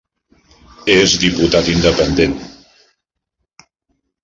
És diputat independent.